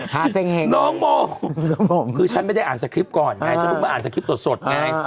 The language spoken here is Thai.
หาเซ็งแฮงต่อไปน้องโมคือฉันไม่ได้อ่านสคริปต์ก่อนไงฉันไม่อ่านสคริปต์สดไง